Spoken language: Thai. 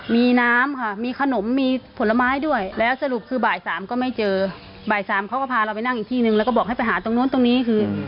มีน้ำค่ะมีขนมมีผลไม้ด้วยแล้วสรุปคือบ่ายสามก็ไม่เจอบ่ายสามเขาก็พาเราไปนั่งอีกที่นึงแล้วก็บอกให้ไปหาตรงนู้นตรงนี้คือ